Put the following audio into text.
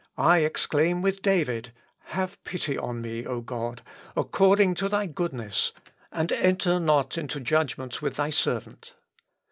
I exclaim with David, 'Have pity on me, O God, according to thy goodness, and enter not into judgment with thy servant.'